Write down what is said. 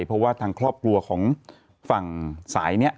เพราะว่าทางครอบครัวของฝั่งสายนี้